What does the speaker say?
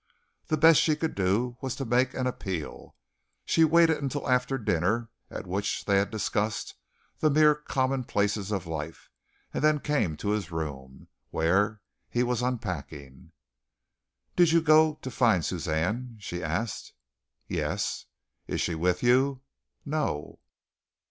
The best she could do was to make an appeal. She waited until after dinner, at which they had discussed the mere commonplaces of life, and then came to his room, where he was unpacking. "Did you go to find Suzanne?" she asked. "Yes." "Is she with you?" "No."